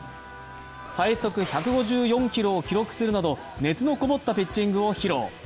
最速１５４キロを記録するなど、熱のこもったピッチングを披露。